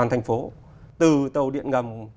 thành phố từ tàu điện ngầm